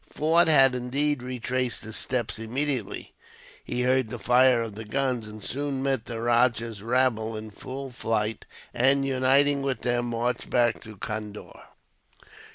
Forde had, indeed, retraced his steps immediately he heard the fire of the guns, and soon met the rajah's rabble in full flight; and, uniting with them, marched back to Condore.